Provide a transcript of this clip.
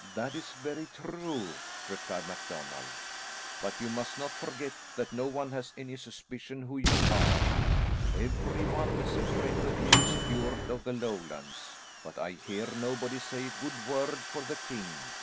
"That is very true," replied MacDonald, "but you must not forget that no one has any suspicion who you are. Everyone is a friend of James Stuart of the Lowlands, but I hear nobody say a good word for the king."